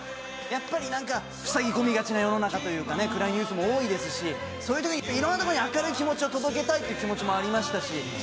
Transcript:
やっぱり、なんかふさぎ込みがちな世の中というかね、暗いニュースも多いですし、そういうときに、いろんなところに明るい気持ちを届けたいという気持ちもありまし